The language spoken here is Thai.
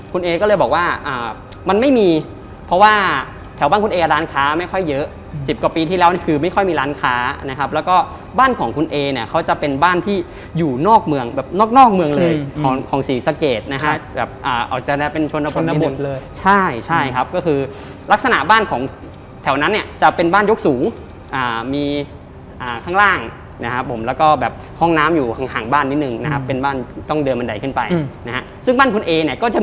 คุณเอก็เลยบอกว่ามันไม่มีเพราะว่าแถวบ้านคุณเอร้านค้าไม่ค่อยเยอะ๑๐กว่าปีที่แล้วคือไม่ค่อยมีร้านค้านะครับแล้วก็บ้านของคุณเอเนี่ยเขาจะเป็นบ้านที่อยู่นอกเมืองแบบนอกเมืองเลยของสีสะเกดนะครับแบบอาจจะได้เป็นชนบทเลยใช่ใช่ครับก็คือลักษณะบ้านของแถวนั้นเนี่ยจะเป็นบ้านยกสูงมีข้างล่างนะครับผมแล้วก็